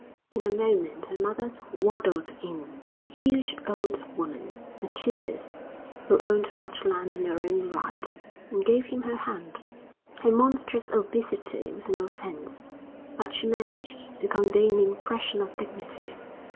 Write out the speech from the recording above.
In a moment her mother waddled in, a huge old woman, a chiefess, who owned much land in her own right; and gave him her hand. Her monstrous obesity was an offence, but she managed to convey an impression of dignity.